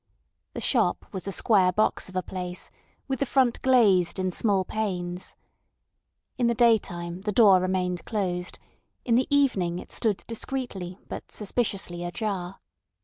The shop was a square box of a place, with the front glazed in small panes. In the daytime the door remained closed; in the evening it stood discreetly but suspiciously ajar.